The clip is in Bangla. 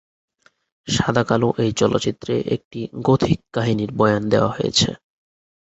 সাদা-কালো এই চলচ্চিত্রে একটি গোথিক কাহিনীর বয়ান দেয়া হয়েছে।